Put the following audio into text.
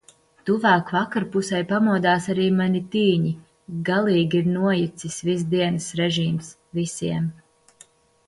Tuvāk vakarpusei pamodās arī mani tīņi... galīgi ir nojucis viss dienas režīms. visiem.